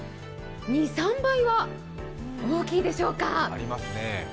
２３倍は大きいでしょうか。